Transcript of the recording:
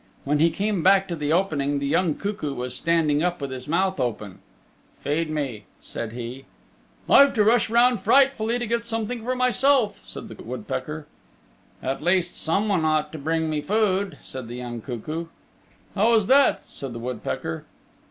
When he came back to the opening the young cuckoo was standing up with his mouth open. "Feed me," said he. "I've to rush round frightfully to get something for myself," said the woodpecker. "At least, someone ought to bring me food," said the young cuckoo. "How is that?" said the woodpecker.